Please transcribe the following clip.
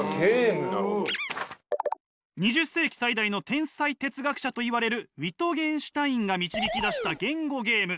２０世紀最大の天才哲学者といわれるウィトゲンシュタインが導き出した言語ゲーム